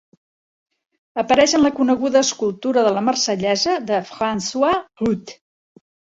Apareix en la coneguda escultura de La Marsellesa de François Rude.